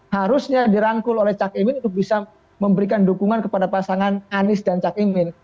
harusnya dirangkul oleh cakimin untuk bisa memberikan dukungan kepada pasangan anies dan cakimin